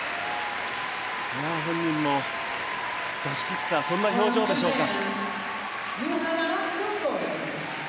本人も出し切ったそんな表情でしょうか。